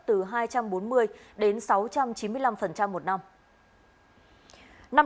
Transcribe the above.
từ hai trăm bốn mươi đến sáu trăm chín mươi năm một năm